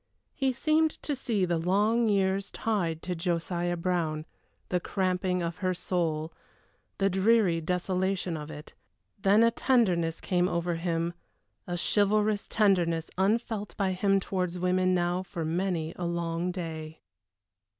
He seemed to see the long years tied to Josiah Brown, the cramping of her soul, the dreary desolation of it. Then a tenderness came over him, a chivalrous tenderness unfelt by him towards women now for many a long day.